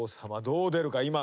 どう出るか？